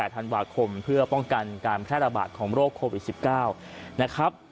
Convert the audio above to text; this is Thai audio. ธันวาคมเพื่อป้องกันการแพร่ระบาดของโรคโควิด๑๙นะครับ